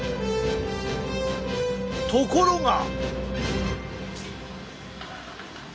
ところが！